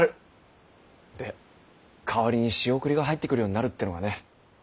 で代わりに仕送りが入ってくるようになるってのがね。